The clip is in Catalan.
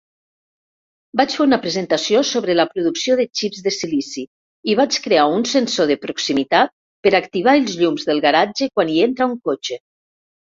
Vaig fer una presentació sobre la producció de xips de silici i vaig crear un sensor de proximitat per activar els llums del garatge quan hi entra un cotxe.